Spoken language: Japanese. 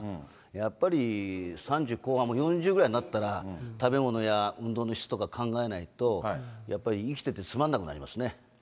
やっぱり３０後半も４０ぐらいになったら、食べ物や運動の質とかを考えないと、やっぱり生きてて、つまんなくなりますね。